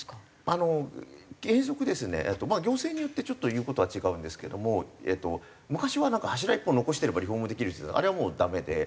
あの原則ですねまあ行政によってちょっと言う事は違うんですけども昔はなんか柱１本残してればリフォームできるってあれはもうダメで。